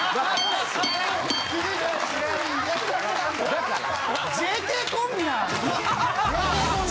だから。